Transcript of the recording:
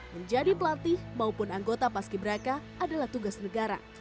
menjadi pelatih maupun anggota paski beraka adalah tugas negara